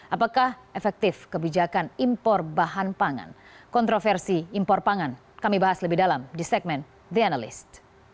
apakah efektif kebijakan impor bahan pangan kontroversi impor pangan kami bahas lebih dalam di segmen the analyst